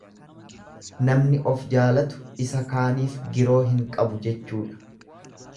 Namni of jaalatu isa kaaniif giroo hin qabu jechuudha.